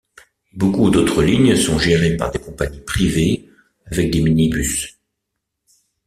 Beaucoup d'autres lignes sont gérées par des compagnies privées avec des minibus.